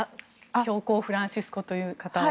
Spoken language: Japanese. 教皇フランシスコという方は。